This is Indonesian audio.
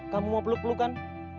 kamu mau peluk pelukan